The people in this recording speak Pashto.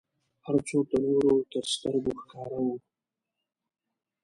هر څوک د نورو تر سترګو ښکاره و.